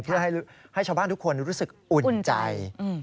เพื่อให้ชาวบ้านทุกคนรู้สึกอุ่นใจ